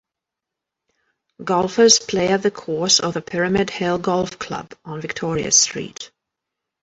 Golfers play at the course of the Pyramid Hill Golf Club on Victoria Street.